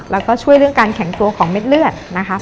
แล้วก็ช่วยเรื่องการแข็งตัวของเม็ดเลือดนะคะ